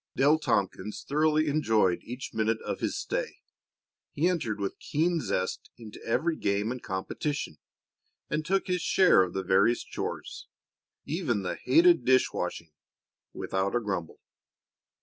Dale Tompkins thoroughly enjoyed each minute of his stay. He entered with keen zest into every game and competition, and took his share of the various chores even the hated dish washing without a grumble.